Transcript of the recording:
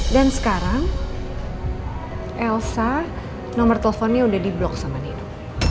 dan sekarang elsa nomor telfonnya udah di blok sama nino